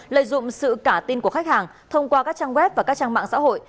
lợi dụng sự cả tin của khách hàng thông qua các trang web và các trang mạng xã hội